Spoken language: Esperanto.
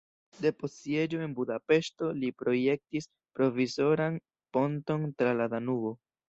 Depost sieĝo de Budapeŝto li projektis provizoran ponton tra la Danubo.